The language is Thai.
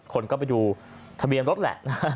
คนก็ไปดูทะเบียนรถแหละนะ